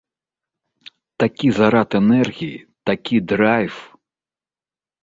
Такі зарад энергіі, такі драйв!